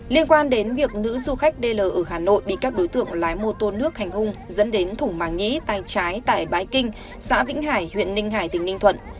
liên quan đến việc nữ du khách dl ở hà nội bị các đối tượng lái mô tô nước hành hung dẫn đến thủng màng nhĩ tay trái tại bãi kinh xã vĩnh hải huyện ninh hải tỉnh ninh thuận